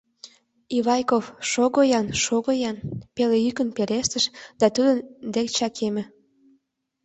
— Ивайков, шого-ян, шого-ян! — пеле йӱкын пелештыш да тудын дек чакеме.